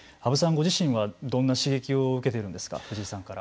ご自身はどんな刺激を受けているんですか藤井さんから。